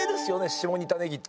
下仁田ねぎって。